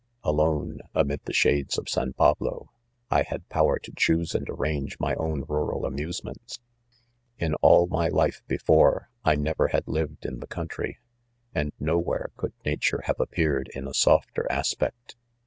Alone, amid the shades of " San Pablo" I had power to choose •and arrange my own rural amusements., In all my life, before, I never had lived in the country ; and no where could nature have ap peared in a softer aspect.